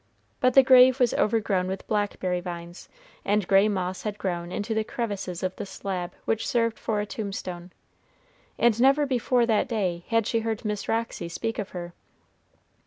But the grave was overgrown with blackberry vines, and gray moss had grown into the crevices of the slab which served for a tombstone, and never before that day had she heard Miss Roxy speak of her.